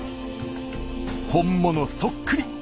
本物そっくり。